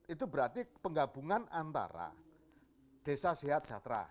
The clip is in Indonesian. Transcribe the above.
itu berarti penggabungan antara desa sehat sejahtera